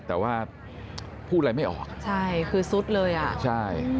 แต่ว่าพูดอะไรไม่ออกใช่คือซุดเลยอ่ะใช่